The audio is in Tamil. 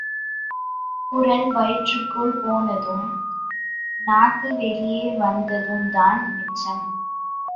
குரல் வயிற்றுக்குள் போனதும், நாக்கு வெளியே வந்ததும்தான் மிச்சம்.